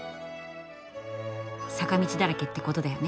坂道だらけってことだよね。